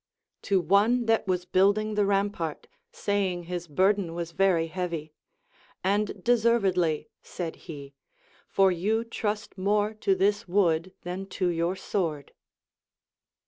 To one that was building the rampart, saying his burthen was very heavy. And deservedly, said he, for you trust more to this wood than to your sword.